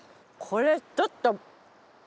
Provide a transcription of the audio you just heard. これちょっと。